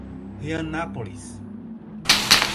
Rianápolis